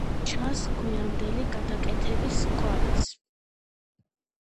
ჩანს გვიანდელი გადაკეთების კვალიც.